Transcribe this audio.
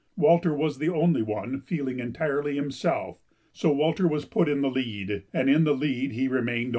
Walter was the only one feeling entirely himself, so Walter was put in the lead and in the lead he remained all day.